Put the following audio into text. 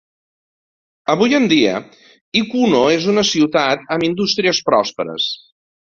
Avui en dia, Ikuno és una ciutat amb indústries pròsperes.